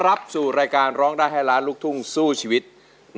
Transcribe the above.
มาพบกับแก้วตานะครับนักสู้รุ่นจี๊วแห่งแดนอิสานสู้ชีวิตสู้งาน